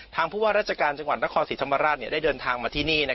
ผู้ว่าราชการจังหวัดนครศรีธรรมราชได้เดินทางมาที่นี่